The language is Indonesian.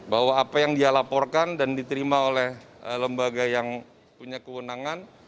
bahwa apa yang dia laporkan dan diterima oleh lembaga yang punya kewenangan